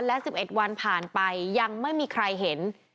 และ๑๑วันผ่านไปยังไม่มีใครเห็น